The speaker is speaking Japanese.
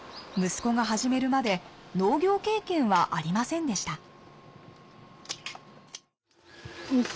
息子が始めるまで農業経験はありませんでした。